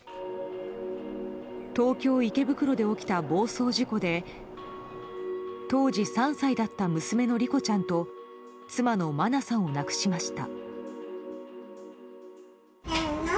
東京・池袋で起きた暴走事故で当時３歳だった娘の莉子ちゃんと妻の真菜さんを亡くしました。